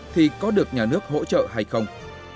thì có được nhà nước hỗ trợ hay không